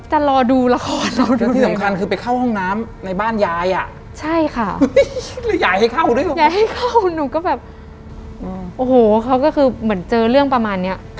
หนูก็แบบโอ้โหเขาก็คือเหมือนเจอเรื่องประมาณนี้